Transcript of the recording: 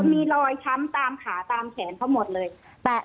มีรอยช้ำตามขาตามแขนเขาหมดเลย